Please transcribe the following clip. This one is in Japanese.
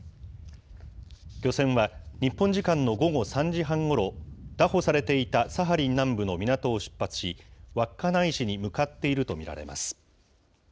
漁船は、日本時間の午後３時半ごろ、拿捕されていたサハリン南部の港を出発し、稚内市に向かっていると見られます。